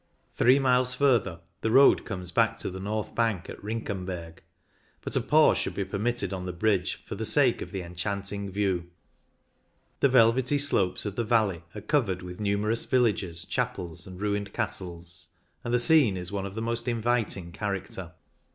Three miles further the road comes back to the north bank at Rinkenberg, but a pause should be permitted on the bridge for the sake of the enchanting view. The velvety slopes of the valley are covered with numerous villages, chapels, and ruined castles, and the scene is of the most inviting character.